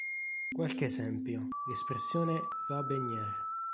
Qualche esempio: l'espressione "va baigner!